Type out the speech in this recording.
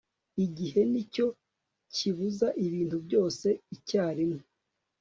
igihe nicyo kibuza ibintu byose icyarimwe